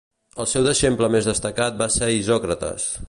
El seu deixeble més destacat va ser Isòcrates.